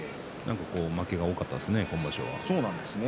負けが多かったですね、今場所は。